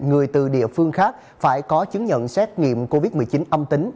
người từ địa phương khác phải có chứng nhận xét nghiệm covid một mươi chín âm tính